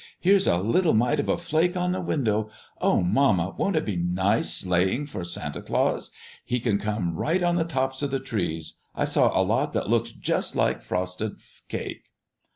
Here's a little mite of a flake on the window. Oh, mamma, won't it be nice sleighing for Santa Claus! He can come right on the tops of the trees: I saw a lot that looked just like frosted cake."